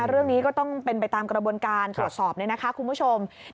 เรื่องนี้ก็ต้องเป็นไปตามกระบวนการตรวจสอบเนี่ยนะคะคุณผู้ชม